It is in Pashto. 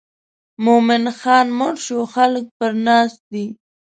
مومن خان مړ شو خلک پر ناست دي.